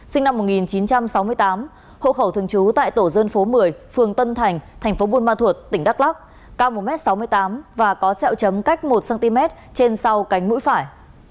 sinh năm một nghìn chín trăm sáu mươi tám hộ khẩu thường trú tại tổ dân phố một mươi phường tân thành thành phố buôn ma thuột tỉnh đắk lắc cao một m sáu mươi tám và có xẹo chấm cách một cm trên sau cánh mũi phải